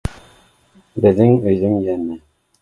Беҙҙең өйҙөң йәме